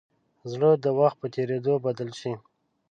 زړه د وخت په تېرېدو بدل شي.